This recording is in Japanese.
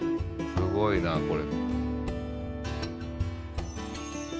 すごいこれ。